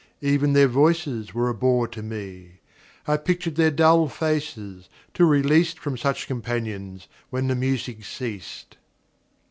Even their voices were a bore to me; I pictured their dull faces, till released From such companions, when the music ceased.